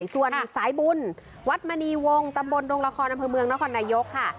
ส่วนสายบุญวัดมณีวงตำบลดงละครอำเภอเมืองนครนายกค่ะ